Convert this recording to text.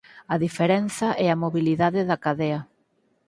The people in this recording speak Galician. A diferenza é a mobilidade da cadea.